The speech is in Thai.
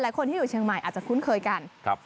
คนที่อยู่เชียงใหม่อาจจะคุ้นเคยกัน